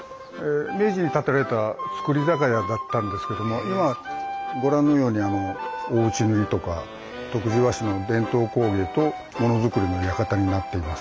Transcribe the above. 明治に建てられた造り酒屋だったんですけども今はご覧のように大内塗とか徳地和紙の伝統工芸とものづくりの館になっています。